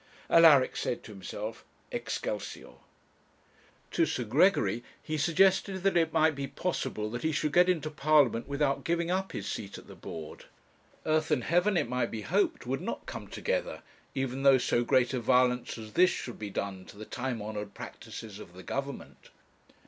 Alaric said to himself, 'Excelsior!' To Sir Gregory he suggested that it might be possible that he should get into Parliament without giving up his seat at the Board. Earth and heaven, it might be hoped, would not come together, even though so great a violence as this should be done to the time honoured practices of the Government.